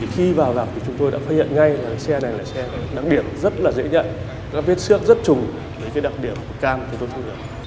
khi vào gặp thị trấn chúng tôi đã phát hiện ngay là xe này là xe đặc điểm rất dễ nhận rất viết xước rất trùng với đặc điểm cam của thị trấn